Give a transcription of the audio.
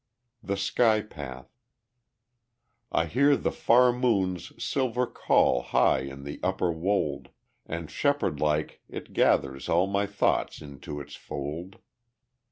The Sky Path I hear the far moon's silver call High in the upper wold; And shepherd like it gathers all My thoughts into its fold.